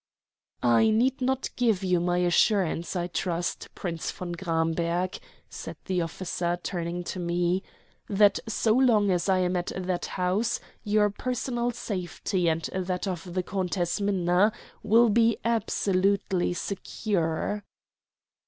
"I need not give you my assurance, I trust, Prince von Gramberg," said the officer, turning to me, "that so long as I am at that house your personal safety and that of the Countess Minna will be absolutely secure."